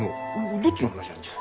どっちの話なんじゃ？